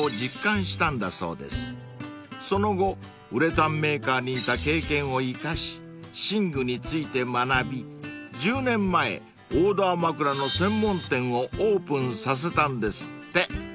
［その後ウレタンメーカーにいた経験を生かし寝具について学び１０年前オーダー枕の専門店をオープンさせたんですって］